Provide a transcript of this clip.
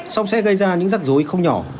xong sẽ gây ra những rắc rối không nhỏ